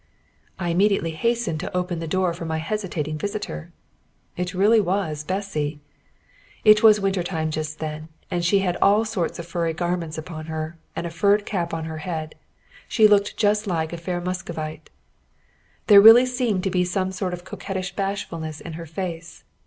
I immediately hastened to open the door for my hesitating visitor. It really was Bessy. It was winter time just then, and she had all sorts of furry garments upon her, and a furred cap on her head; she looked just like a fair Muscovite. There really seemed to be some sort of coquettish bashfulness in her face.